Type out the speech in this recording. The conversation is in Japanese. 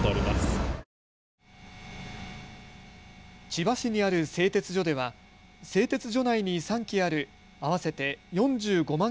千葉市にある製鉄所では製鉄所内に３基ある合わせて４５万